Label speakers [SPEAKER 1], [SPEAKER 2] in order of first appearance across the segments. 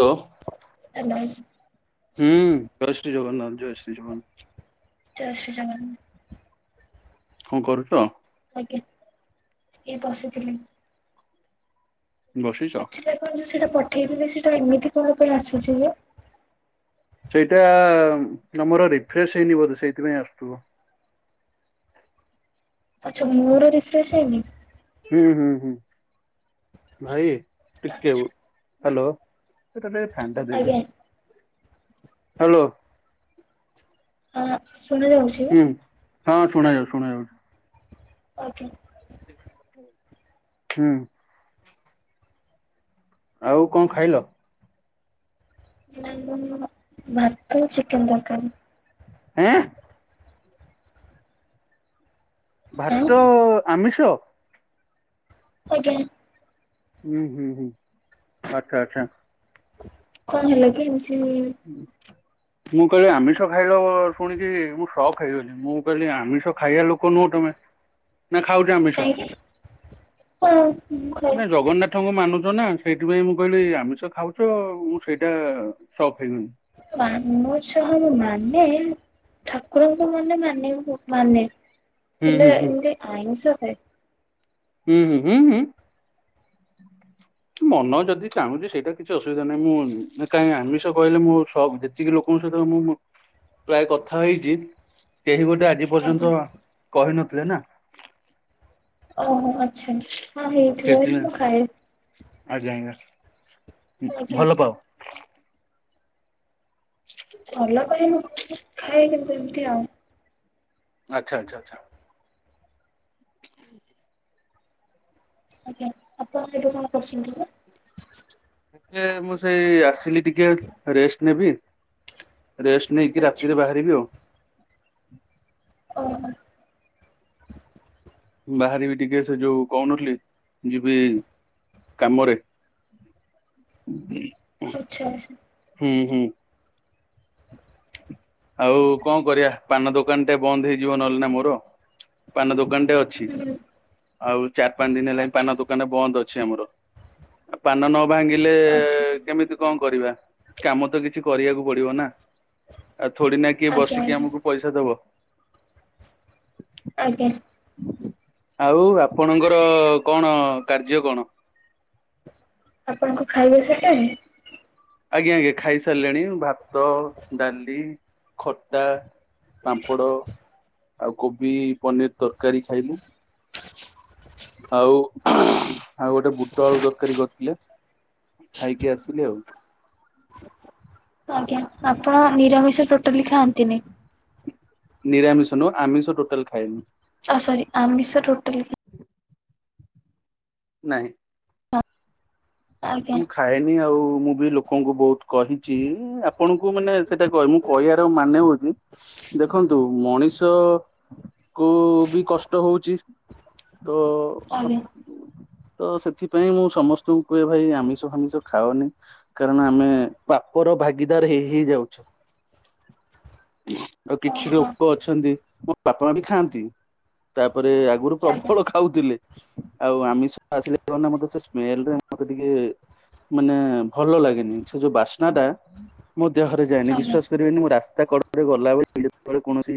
[SPEAKER 1] Hello
[SPEAKER 2] hello
[SPEAKER 1] ହୁଁ କ ଶ୍ରୀ ଜଗନ୍ନାଥ ଜୟ ଶ୍ରୀ ଜଗନ୍ନାଥ।
[SPEAKER 2] ଜୟ ଶ୍ରୀ ଜଗନ୍ନାଥ।
[SPEAKER 1] କଣ କରୁଚ।
[SPEAKER 2] ଆଜ୍ଞା ଏଇ ବସିଥିଲି।
[SPEAKER 1] ବସିଛ?
[SPEAKER 2] ଆକଚୁଆଲି ଆପଣ ଯୋଉ ସେଟା ପଠେଇ ଥିଲେ। ସେଇଟା ଏମିତି କଣ ପାଇଁ ଆସୁଚି ଯେ?
[SPEAKER 1] ସେଇଟା ଆମର ରିଫ୍ରେେଶ ହେଇନି ବୋଧେ ସେଇଥିପାଇଁ ଆସୁଥିବ।
[SPEAKER 2] ଆଛା ମୋର ରିଫ୍ରେଶ ହେଇନି।
[SPEAKER 1] ହୁଁ ହୁଁ ହୁଁ ଭାଇ ଟିକେ
[SPEAKER 2] ଆଚ୍ଛା
[SPEAKER 1] ଉ ହାଲୋ। ହେଟା ଟିକେ ଫ୍ୟାନ ଟା ଦେଇଦେ
[SPEAKER 2] ଆଜ୍ଞା
[SPEAKER 1] ହ୍ୟାଲୋ,
[SPEAKER 2] ହଁ ଶୁଣା ଯାଉଛି?
[SPEAKER 1] ହଁ ଶୁଣାଯାଉ ଶୁଣାଯାଉଚି।
[SPEAKER 2] ଓକେ।
[SPEAKER 1] ହୁଁ। ଆଉ କଣ ଖାଇଲ?
[SPEAKER 2] ନା ଭାତ ଚିକେନ ତରକାରୀ।
[SPEAKER 1] ଏଁ।
[SPEAKER 2] ଆଁ
[SPEAKER 1] ଭାଟ ଆମିଷ।
[SPEAKER 2] ଆଜ୍ଞା।
[SPEAKER 1] ହୁଁ ହୁଁ ହୁଁ ଆଚ୍ଛା ଆଚ୍ଛା।
[SPEAKER 2] କଣ ହେଲା କି ଏମିତି।
[SPEAKER 1] ମୁଁ କହିଲି ଆମିଷ ଖାଇଲ ଶୁଣିକି ମୁଁ ଶକ ହେଇଗଲି ମୁଁ କହିଲି ଆମିଷ ଖାଇବା ଲୋକ ନୁହଁ ତମେ।
[SPEAKER 2] ହ
[SPEAKER 1] ନା ଖାଉଛ ଆମିଷ?
[SPEAKER 2] କାହିଁକି ହ।
[SPEAKER 1] ଜଗନ୍ନାଥଙ୍କ ମ। ମାନୁଛ ନା ସେଇଥିପାଇଁ ମୁଁ କହିଲି ଆମିଷ ଖାଉଛ ମୁଁ ସେଇଟା ସକ ହେଇଗଲି।
[SPEAKER 2] ମାନୁଛ ମାନେ। ଠାକୁରଙ୍କୁ ମାନେ ମାନ ମାନେ
[SPEAKER 1] ହୁଁ
[SPEAKER 2] ହେଲେ
[SPEAKER 1] ହୁଁ ହୁଁ
[SPEAKER 2] ଏମିତି ଆଇଁଷ ଖାଏ।
[SPEAKER 1] ହୁଁ ହୁଁ ହୁଁ ହୁଁ। ମନ ଯଦି ଚାହୁଁଛି ସେଇଟା କିଛି ଅସୁବିଧା ନାହିଁ ମୁଁ କାହିଁ ଆମିଷ କହିଲେ ମୁଁ ସକ ହେତିକିରୁ ସହିତ ମୁଁ ପ୍ରାୟ କଥା ହେଇଚି କେହି ଗୋଟେ ଆଜି
[SPEAKER 2] ଆଜ୍ଞା।
[SPEAKER 1] ପର୍ଯ୍ୟନ୍ତ କହି ନଥିଲେ ନା।
[SPEAKER 2] ଓ ହ ଆଚ୍ଛା ହଁ ହେଇଥିବ ବୋଲି ମୁଁ ଖାଏ।
[SPEAKER 1] ଆଜା
[SPEAKER 2] ଆଜ୍ଞା।
[SPEAKER 1] ଭଲ ପାଅ।
[SPEAKER 2] ଭଲ ପାଏନି ଖାଏ କିନ୍ତୁ ଏମିତି ଆଉ।
[SPEAKER 1] ଆଚ୍ଛା ଆଚ୍ଛା ଆଚ୍ଛା। ହୁଁ।
[SPEAKER 2] ଆଜ୍ଞା ଆପଣ ଏବେ କଣ କରୁଛନ୍ତି ପା।
[SPEAKER 1] ଟିକେ ମୁଁ ସେଇ ଆସିଲି ଟିକେ ରେଷ୍ଟ ନେବି। ରେଷ୍ଟ ନେଇକି
[SPEAKER 2] ଆଚ୍ଛା
[SPEAKER 1] ରାତିରେ ବାହାରିବି ଆଉ।
[SPEAKER 2] ଓହ।
[SPEAKER 1] ବାହାରିବି ଟିକେ ସେ ଯୋଉ କହୁନଥିଲି ଯିବି କାମରେ।
[SPEAKER 2] ଆଛା ଆଛା।
[SPEAKER 1] ହୁଁ ହୁଁ। ଆଉ କଣ କରିବା ପାନ ଦୋକାନ ଟେ ବନ୍ଦ ହେଇଯିବ ନହେଲେ ନା ମୋର ପାନ ଦୋକାନ ଟେ ଅଛି
[SPEAKER 2] ହୁଁ
[SPEAKER 1] ଆଉ ଚାରି ପାଞ୍ଚ ଦିନ ହେଲା ପାନ
[SPEAKER 2] ଆଚ୍ଛା
[SPEAKER 1] ଦୋକାନ ଟା ବନ୍ଦ ଅଛି। ଅଛି ଆମର ପାନ ନ ଭାଙ୍ଗିଲେ
[SPEAKER 2] ଆଚ୍ଛା।
[SPEAKER 1] କେମିତି କଣ କରିବା କାମ ତ କିଛି କରିବାକୁ ପଡିବ ନା। ଆଉ ଥୋଡି ନା କିଏ
[SPEAKER 2] ଆଜ୍ଞା
[SPEAKER 1] ବସିକି
[SPEAKER 2] ଆଜ୍ଞା
[SPEAKER 1] ଆମକୁ ପଇସା ଦବ।
[SPEAKER 2] ଆଜ୍ଞା।
[SPEAKER 1] ଆଉ ଆପଣଙ୍କର କଣ କାର୍ଯ୍ୟ କଣ?
[SPEAKER 2] ଆପଣଙ୍କୁ ଖାଇବା ସେଟାଇମ।
[SPEAKER 1] ଆଜ୍ଞା ଆଜ୍ଞା ଖାଇ ସାରିଲିଣି ଭାତ ଡାଲି ଖଟା। ପାମ୍ପଡ ଆଉ କୋବି ପନିର ତରକାରୀ ଖାଇଲୁ। ଆଉ ଆଉ ଗୋଟେ ବୁଟ ଆଳୁ ତରକାରୀ କରିଥିଲେ। ଖାଇକି ଆସିଲି ଆଉ।
[SPEAKER 2] ଆଜ୍ଞା ଆପଣ ନିରାମିଷ ଟୋଟାଲି ଖାଆନ୍ତିନି।
[SPEAKER 1] ନିରାମିଷ ନୁ ଆମିଷ ଟୋଟାଲ ଖାଏନି।
[SPEAKER 2] ଓ ସରି ଆମିଷ ଟୋଟାଲି
[SPEAKER 1] ନାହିଁ।
[SPEAKER 2] ଖା ଆଜ୍ଞା
[SPEAKER 1] ମୁଁ ଖାଏନି ଆଉ ମୁଁ ବି ଲୋକଙ୍କୁ ବହୁତ କହିଛି ଆପଣଙ୍କୁ ମାନେ ସେଇଟା କହିବାର ମୁଁ କହିବାର ମାନେ ହଉଛି ଦେଖନ୍ତୁ ମଣିଷ କୁ ବି କଷ୍ଟ ହୋଉଛି। ତ
[SPEAKER 2] ଆଜ୍ଞା
[SPEAKER 1] ତ ସେଥିପାଇଁ ମୁଁ ସମସ୍ତଙ୍କୁ କହିବା ଭାଇ ଆମିଷ ଫାମିଷ ଖାଉନି। କାରଣ ଆମେ ପାପର ଭାଗିଦାର ହେଇ ହେଇ ଯାଉଛୁ।
[SPEAKER 2] [inaudible]
[SPEAKER 1] ଆଉ କିଛି
[SPEAKER 2] ଓହୋ
[SPEAKER 1] ଲୋକ ଅଛନ୍ତି ମୋ ବାପା, ମା ବି ଖାଆନ୍ତି। ତା ପରେ ଆଗରୁ
[SPEAKER 2] ଆଜ୍ଞା
[SPEAKER 1] ପ୍ରବଳ ଖାଉଥିଲେ ଆଉ ଆମିଷ ଆସିଲେ ମତେ ସେ ସ୍ମେଲଲ ମତେ ଟିକେ ମାନେ ଭଲ ଲାଗେନି ସେ ଯୋଉ ବାସ୍ନା ଟା ମୋ ଦେହରେ ଯାଏନି ବିଶ୍ୱାସ
[SPEAKER 2] ଆଜ୍ଞା।
[SPEAKER 1] କରିବେନି ମୁଁ ରାସ୍ତା କଡ଼ରେ ଗଲାବେଳେ ଯେତେବେଳେ କୌଣସି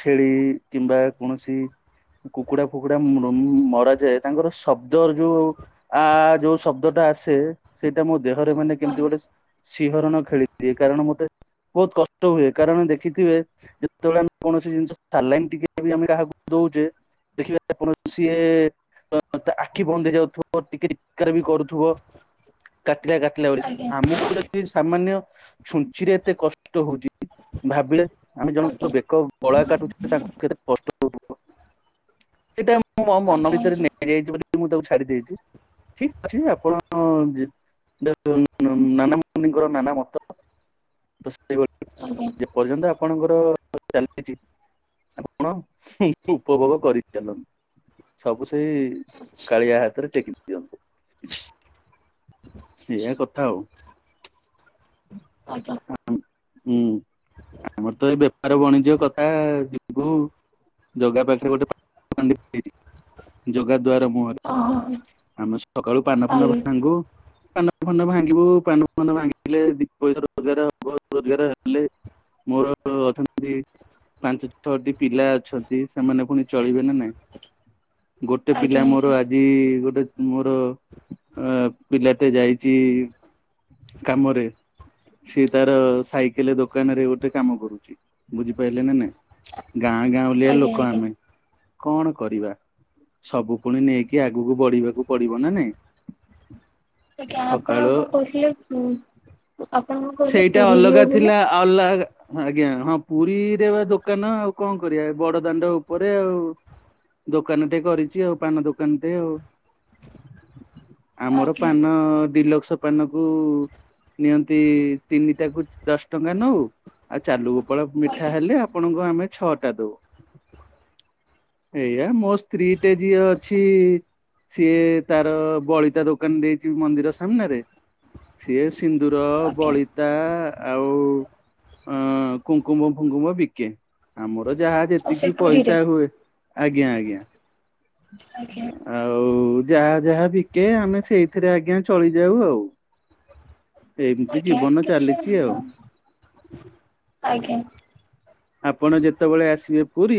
[SPEAKER 1] ଛେଳି କିମ୍ବା କୌଣସି କୁକୁଡା ଫୁକୁଡା ମରା ଯାଏ ତାଙ୍କର ଶବ୍ଦର ଯୋଉ ଆ ଯୋଉ ଶବ୍ଦ ଟା ଆସେ ସେଇଟା ମୋ ଦେହରେ ମାନେ କେମିତି
[SPEAKER 2] ହଁ
[SPEAKER 1] ଗୋଟେ ଶିହରଣ ଖେଳିଦିଏ କାରଣ ମତେ ବହୁତ କଷ୍ଟ ହୁଏ କାରଣ ଦେଖିଥିବେ ଯେତେବେଳେ ଆମେ କୌଣସି ଜିନିଷ ସାରିଲଣି ଟିକେ ଆମେ କାହାକୁ ଦେଖିବା କଣ ସିଏ ଆଖି ବନ୍ଦ ହେଇଯାଉଥିବ ଟିକେ ବି କରୁଥିବ କାଟିଲା କାଟିଲା ବୋଲି
[SPEAKER 2] ଆଜ୍ଞା
[SPEAKER 1] ଆମକୁ ଯଦି ସାମାନ୍ୟ ଛୁଞ୍ଚି ରେ ଏତେ କଷ୍ଟ ହଉଛି ଭାବିଲେ ଆମେ
[SPEAKER 2] ଆଜ୍ଞା
[SPEAKER 1] ଜଣଙ୍କର
[SPEAKER 2] ଆଜ୍ଞା
[SPEAKER 1] ବେକ ଗଳା କାଟୁଛେ ତାଙ୍କୁ କେତେ କଷ୍ଟ ହଉଥିବ? ସେଟା ମୁଁ ମୋ
[SPEAKER 2] ଆଜ୍ଞା
[SPEAKER 1] ମନ ଭିତରେ
[SPEAKER 2] ଆଜ୍ଞା
[SPEAKER 1] ନେଇଯାଇଛି ବୋଲି ମୁଁ ତାକୁ ଛାଡି ଦେଇଛି। ଠିକ ଅଛି ଆପଣ ନାନ ମିଙ୍କର ନାନା ମତ। ତ ସେ
[SPEAKER 2] ଆଚ୍ଛା
[SPEAKER 1] ଯେପର୍ଯ୍ୟନ୍ତ ଆପଣଙ୍କର ଚାଲିଛି ଆପଣ ଉପଭୋଗ କରିଚାଲନ୍ତୁ। ସବୁ ସେଇ
[SPEAKER 2] ଆଚ୍ଛା।
[SPEAKER 1] କାଳିଆ ହାତରେ ଟେକି ଦିଅନ୍ତୁ। ସେଇୟା କଥା ଆଉ।
[SPEAKER 2] ଆଜ୍ଞା
[SPEAKER 1] ଆ ହୁଁ। ଆମର ତ ଏ ବେପାର ବାଣିଜ୍ୟ କଥା ଯିବୁ ଯୋଗା ପାଖରେ ଗୋଟେ ଯୋଗା ଦ୍ଵାର ମୁହରେ
[SPEAKER 2] ଓହୋ ଆଜ୍ଞା।
[SPEAKER 1] ଆମ ସକାଳୁ ପାନ ଫାନ
[SPEAKER 2] ଆଜ୍ଞା
[SPEAKER 1] ଭାଙ୍ଗୁ ପାନ ଫାନ ଭାଙ୍ଗିବୁ ପାନ ଫାନ ଭାଙ୍ଗି ଦେଲେ ପଇସା ରୋଜଗାର ହବ ରୋଜଗାର ହେଲେ ମୋର ଅର୍ଥନୀତି ପାଞ୍ଚ ଛଅଟି ପିଲା ଅଛନ୍ତି ସେମାନେ ପୁଣି ଚଳିବେ ନା ନାଇଁ।
[SPEAKER 2] [inaudible]
[SPEAKER 1] ଗୋଟେ
[SPEAKER 2] ଆଜ୍ଞା ଆଜ୍ଞା
[SPEAKER 1] ପିଲା ମୋର ଆଜି ଗୋଟେ ମୋର ଅ ପିଲାଟେ ଯାଇଛି କାମରେ। ସିଏ ତାର ସାଇକେଲ ଦୋକାନ ରେ ଗୋଟେ କାମ କରୁଛି ବୁଝିପାରିଲେ ନା ନାଇଁ? ଗାଁ ଗାଁଉଲିଆ ଲୋକ
[SPEAKER 2] ଆଜ୍ଞା।
[SPEAKER 1] ଆମେ କଣ କରିବା? ସବୁ ପୁଣି ନେଇକି ଆଗକୁ ବଢିବାକୁ ପଡିବ ନା ନାଇଁ?
[SPEAKER 2] ଆଜ୍ଞା ଆପଣ
[SPEAKER 1] ସକାଳ
[SPEAKER 2] କଣ କହୁଥିଲେ? ଆପଣ କଣ କହୁଥିଲେ
[SPEAKER 1] ସେଇଟା
[SPEAKER 2] ପୁରୀ
[SPEAKER 1] ଅଲଗା
[SPEAKER 2] ଯିବେ ବୋଲି?
[SPEAKER 1] ଥିଲା ଅଲଗା ଆଜ୍ଞା ହଁ ପୁରୀରେ ବା ଦୋକାନ ଆଉ କଣ କରିବା ବଡ ଦାଣ୍ଡ ଉପରେ ଆଉ। ଦୋକାନ ଟେ କରିଛି ଆଉ ପାନ ଦୋକାନ ଟେ ଆଉ। ଆମର
[SPEAKER 2] ଆଜ୍ଞା
[SPEAKER 1] ପାନ ଡିଲକ୍ସ ପାନକୁ ନିଅନ୍ତି ତିନିଟାକୁ ଦଶ ଟଙ୍କା ନଉ। ଆଉ ଚାଲୁ ଗୋପଳ ମିଠା
[SPEAKER 2] ଆଜ୍ଞା
[SPEAKER 1] ହେଲେ ଆପଣଙ୍କୁ ଆମେ ଛଅଟା ଦଉ।
[SPEAKER 2] [inaudible]
[SPEAKER 1] ଏଇଆ ମୋ ସ୍ତ୍ରୀଟେ ଯିଏ ଅଛି ସିଏ ତାର ବଳିତା ଦୋକାନ ଦେଇଛି ମନ୍ଦିର ସାମ୍ନାରେ। ସିଏ ସିନ୍ଦୁର
[SPEAKER 2] ଆଜ୍ଞା
[SPEAKER 1] ବଳିତା ଆଉ ଅ କୁଙ୍କୁମ୍ମ ଫୁଙ୍କୁମ୍ମ ବିକେ ଆମର ଯାହା
[SPEAKER 2] ଆଉ ସେ
[SPEAKER 1] ଯେତିକି
[SPEAKER 2] ପୁରୀରେ
[SPEAKER 1] ପଇସା ହୁଏ ଆଜ୍ଞା ଆଜ୍ଞା।
[SPEAKER 2] [inaudible]
[SPEAKER 1] ଆଉ ଯାହା ଯାହା ବିକେ ଆମେ ସେଇଥିରେ ଆଜ୍ଞା ଚଳିଯାଉ ଆଉ। ଏମିତି
[SPEAKER 2] ଆଜ୍ଞା
[SPEAKER 1] ଜୀବନ
[SPEAKER 2] କିଛି
[SPEAKER 1] ଚାଲିଛି ଆଉ
[SPEAKER 2] ଆଜ୍ଞା
[SPEAKER 1] ଆପଣ ଯେତେବେଳେ ଆସିବେ ପୁରୀ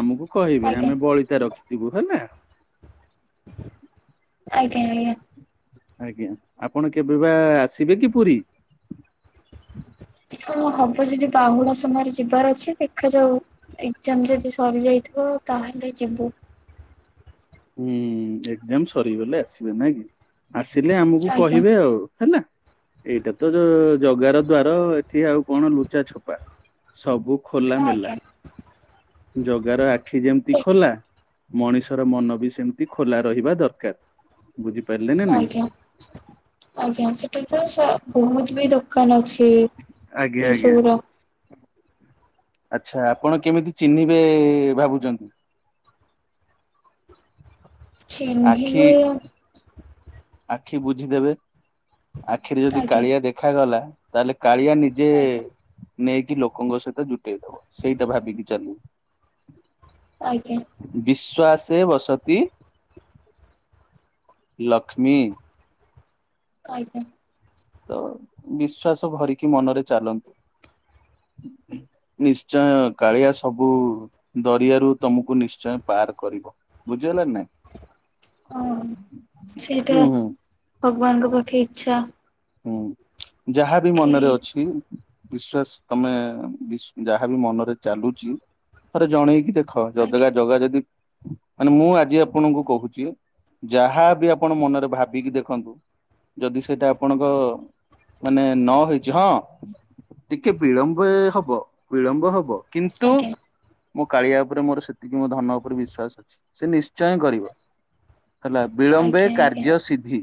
[SPEAKER 1] ଆମକୁ କହିବେ
[SPEAKER 2] ଆଜ୍ଞା
[SPEAKER 1] ଆମେ ବଳିତା ରଖି ଥିବୁ ହେଲା।
[SPEAKER 2] ଆଜ୍ଞା ଆଜ୍ଞା।
[SPEAKER 1] ଆଜ୍ଞା ଆପଣ କେବେ ବା ଆସିବେ କି ପୁରୀ?
[SPEAKER 2] ହଁ ହବ ଯଦି ବାହୁଡା ସମୟରେ ଯିବାର ଅଛି ଦେଖାଯାଉ ଏଜାମ ଯଦି ସରିଯାଇଥିବ ତାହେଲେ ଯିବୁ।
[SPEAKER 1] ହୁଁ ଏକ୍ଜାମ ସରିଗଲେ ଆସିବେ ନା କି ଆସିଲେ ଆମକୁ
[SPEAKER 2] ଆଜ୍ଞା
[SPEAKER 1] କହିବେ ଆଉ। ହେଲା। ଏଇଟା ତ ଜଗାର ଦ୍ଵାର ଏଠି ଆଉ କଣ ଲୁଚା ଛପା ସବୁ ଖୋଲା ମେଲା
[SPEAKER 2] ଆଜ୍ଞା।
[SPEAKER 1] ଜଗାର ଆଖି ଯେମିତି ଖୋଲା ମଣିଷର ମନ ବି ସେମତି ଖୋଲା ରହିବା ଦରକାର ବୁଝି
[SPEAKER 2] ଆଜ୍ଞା ଆଜ୍ଞା ସେଟା ତ ବହୁତ ବି ଦୋକାନ ଅଛି। ଏଇ
[SPEAKER 1] ଆଜ୍ଞା
[SPEAKER 2] ଏଇ
[SPEAKER 1] ଆଜ୍ଞା
[SPEAKER 2] ସବୁର।
[SPEAKER 1] ଆଚ୍ଛା ଆପଣ କେମିତି ଚିହ୍ନିବେ ଭାବୁଛନ୍ତି? ଆଖି
[SPEAKER 2] ଚିହ୍ନିବେ
[SPEAKER 1] ଆଖି ବୁଝିଦେବେ ଆଖିରେ ଯଦି
[SPEAKER 2] ଆଜ୍ଞା
[SPEAKER 1] କାଳିଆ ଦେଖାଗଲା ତାହେଲେ କାଳିଆ ନିଜେ
[SPEAKER 2] ଆଜ୍ଞା
[SPEAKER 1] ନେଇକି ଲୋକଙ୍କ ସହିତ ଜୁଟେଇ ଦବ ସେଇଟା ଭାବିକି ଚାଲିବ।
[SPEAKER 2] ଆଜ୍ଞା।
[SPEAKER 1] ଶ୍ବାସେ ବସତି ଲକ୍ଷ୍ମୀ।
[SPEAKER 2] କଇଚ।
[SPEAKER 1] ତ ବିଶ୍ଵାସ ଭରିକି ମନରେ ଚାଲନ୍ତୁ। ନିଶ୍ଚୟ କାଳିଆ ସବୁ ଦରିଆରୁ ତମକୁ ନିଶ୍ଚୟ ପାର କରିବ ବୁଝିଲ। ଝି ହେଲା ନା?
[SPEAKER 2] ହ ସେଇଟା
[SPEAKER 1] ହୁଁ ହୁଁ
[SPEAKER 2] ଭଗବାନଙ୍କ ପାଖେ ଇଚ୍ଛା।
[SPEAKER 1] ହୁଁ ଯାହା ବି
[SPEAKER 2] କି
[SPEAKER 1] ମନରେ ଅଛି ବିଶ୍ଵାସ ତମେ ଯାହା ବି ମନରେ ଚାଲୁଛି ଥରେ ଜଣେଇକି ଦେଖ। ଖ ଜଗା
[SPEAKER 2] ଆଜ୍ଞା
[SPEAKER 1] ଜଗା ଯଦି ମାନେ ମୁଁ ଆଜି ଆପଣଙ୍କୁ କହୁଛି ଯାହାବି ଆପଣ ମନରେ ଭାବିକି ଦେଖନ୍ତୁ ଯଦି ସେଇଟା। ଆପଣଙ୍କ ମାନେ ନ ହେଇଛି ହଁ। ଟିକେ ବିଳମ୍ବ ହବ ବିଳମ୍ବ ହବ କିନ୍ତୁ
[SPEAKER 2] ଆଜ୍ଞା
[SPEAKER 1] ମୋ କାଳିଆ ଉପରେ ମୋର ସେତିକି ମୋ ଧନ ଉପରେ ବିଶ୍ଵାସ ଅଛି ସେ ନିଶ୍ଚୟ କରିବ ହେଲା ବିଳମ୍ବେ
[SPEAKER 2] ଆଜ୍ଞା ଆଜ୍ଞା।
[SPEAKER 1] କାର୍ଯ୍ୟ ସିଦ୍ଧି।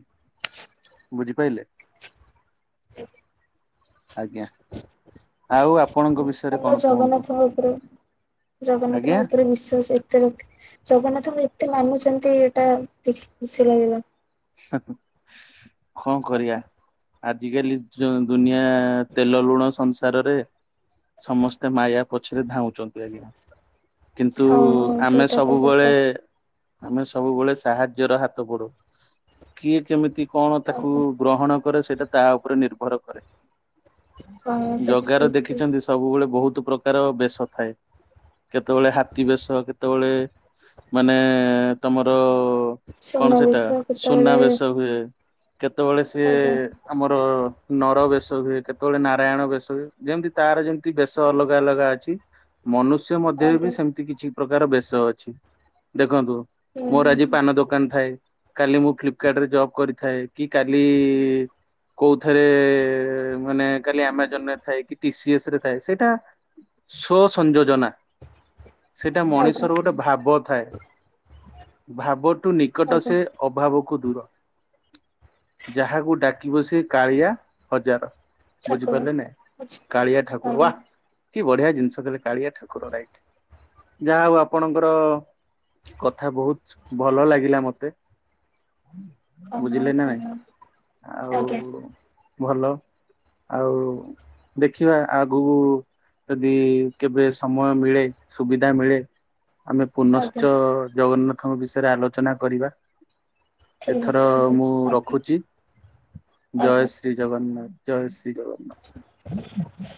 [SPEAKER 1] ବୁଝିପାଇଲେ?
[SPEAKER 2] [unintelligible]
[SPEAKER 1] ଆଜ୍ଞା ଆଉ ଆପଣଙ୍କ ବିଷୟରେ
[SPEAKER 2] ଭଲ
[SPEAKER 1] କଣ କୁହନ୍ତୁ?
[SPEAKER 2] ଜଗନ୍ନାଥଙ୍କ ଉପରେ ଜଗନ୍ନାଥଙ୍କ
[SPEAKER 1] ଆଜ୍ଞା
[SPEAKER 2] ଉପରେ ବିଶ୍ୱାସ ଏତେ ରଖି ଜଗନ୍ନାଥଙ୍କୁ ଏତେ ମାନୁଛନ୍ତି ଏଇଟା ଦେଖି ଖୁସି ଲାଗିଲା।
[SPEAKER 1] କଣ କରିବା
[SPEAKER 2] ଆଜ୍ଞା
[SPEAKER 1] ଆଜିକାଲି ଦୁନିଆ ତେଲ ଲୁଣ ସଂସାରରେ ସମସ୍ତେ ମାୟା ପଛରେ ଧଉଛନ୍ତି ଆଜ୍ଞା। କିନ୍ତୁ
[SPEAKER 2] ହଉ ହଉ
[SPEAKER 1] ଆମେ
[SPEAKER 2] ସେଇଟା ତ
[SPEAKER 1] ସବୁବେଳେ
[SPEAKER 2] ସତ
[SPEAKER 1] ଆମେ ସବୁବେଳେ ସାହାଯ୍ୟର ହାତ ପଢୁ କିଏ କେମିତି କଣ ତାକୁ
[SPEAKER 2] ଆଜ୍ଞା।
[SPEAKER 1] ଗ୍ରହଣ କରେ ସେଇଟା ତା ଉପରେ ନିର୍ଭର କରେ।
[SPEAKER 2] ହଁ ସେଟା
[SPEAKER 1] ଜଗାର
[SPEAKER 2] ଠିକ ଠିକ
[SPEAKER 1] ଦେଖିଛନ୍ତି ସବୁବେଳେ ବହୁତ ପ୍ରକାର ବେଶ ଥାଏ। କେତେବେଳେ ହାତୀ ବେଶ କେତେବେଳେ ମାନେ ତମର ଓ କଣ ସେଇଟା?
[SPEAKER 2] ସୁନାବେଶ କେତେବେଳେ
[SPEAKER 1] ସୁନାବେଶ ହୁଏ କେତେବେଳେ ସିଏ
[SPEAKER 2] ଆଜ୍ଞା
[SPEAKER 1] ଆମର ନର ବେଶ ହୁଏ କେତେବେଳେ ନାରାୟଣ ବେଶ ହୁଏ ଯେମିତି ତାର ଯେମିତି ବେଶ ଅଲଗା ଅଲଗା ଅଛି। ମନୁଷ୍ୟ ମଧ୍ୟରେ ବି
[SPEAKER 2] ଆଜ୍ଞା
[SPEAKER 1] ସେମିତି କିଛି ପ୍ରକାର ବେଶ ଅଛି ଦେଖନ୍ତୁ
[SPEAKER 2] ହୁଁ
[SPEAKER 1] ମୋର
[SPEAKER 2] ହୁଁ
[SPEAKER 1] ଆଜି
[SPEAKER 2] ହୁଁ।
[SPEAKER 1] ପାନ ଦୋକାନ ଥାଏ। କାଲି ମୁଁ ଫ୍ଲିପକାର୍ଟ ରେ ଜବ କରିଥାଏ କି କାଲି କୋଉଥରେ ମାନେ କାଲି ଆମାଜନ ରେ ଥାଏ କି ଟି ସି ଏସ ରେ ଥାଏ ସେଇଟା ସୋ ସଂଯୋଜନା।
[SPEAKER 2] [unintelligible]
[SPEAKER 1] ସେଇଟା
[SPEAKER 2] ଆଜ୍ଞା
[SPEAKER 1] ମଣିଷର ଗୋଟେ ଭାବ ଥାଏ ଭାବଠୁ ନିକଟ
[SPEAKER 2] ଆଜ୍ଞା
[SPEAKER 1] ସେ ଅଭାବକୁ ଦୂର ଯାହାକୁ ଡାକିବ ସେ କାଳିଆ ହଜାର।
[SPEAKER 2] ଠାକୁର
[SPEAKER 1] ବୁଝିପାରିଲେ ନା
[SPEAKER 2] ଅଛି।
[SPEAKER 1] କାଳିଆ ଠାକୁର
[SPEAKER 2] ଆଜ୍ଞା
[SPEAKER 1] ୱା। କି ବଢିଆ ଜିନିଷ ଦେଲେ କାଳିଆ ଠାକୁର ରାଇଟ। ଯାହା ହଉ ଆପଣଙ୍କର କଥା ବହୁତ ଭଲ ଲାଗିଲା ମତେ।
[SPEAKER 2] ଧନ୍ୟବାଦ
[SPEAKER 1] ବୁଝିଲେ ନ
[SPEAKER 2] ଧନ୍ୟବାଦ
[SPEAKER 1] ନାଇଁ ଆଉ
[SPEAKER 2] ଆଜ୍ଞା
[SPEAKER 1] ଭଲ ଆଉ ଦେଖିବା ଆଗକୁ ଯଦି କେବେ ସମୟ ମିଳେ ସୁବିଧା ମିଳେ। ଆମେ
[SPEAKER 2] ଆଜ୍ଞା
[SPEAKER 1] ପୁନଶ୍ଚ ଜଗନ୍ନାଥଙ୍କ ବିଷୟରେ ଆଲୋଚନା କରିବା।
[SPEAKER 2] ଠିକ୍
[SPEAKER 1] ଏଥର
[SPEAKER 2] ଅଛି ଠିକ୍
[SPEAKER 1] ମୁଁ
[SPEAKER 2] ଅଛି ଆଜ୍ଞା
[SPEAKER 1] ରଖୁଛି ଜୟ
[SPEAKER 2] ଆଜ୍ଞା।
[SPEAKER 1] ଶ୍ରୀ ଜଗନ୍ନାଥ। ଜୟ ଶ୍ରୀ ଜଗନ୍ନାଥ।